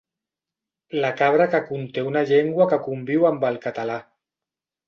La cabra que conté una llengua que conviu amb el català.